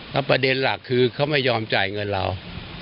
แล้วประเด็นหลักคือเขาไม่ยอมจ่ายเงินเรา